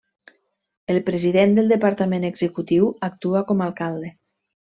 El president del departament executiu actua com a alcalde.